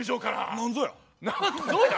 何ぞや。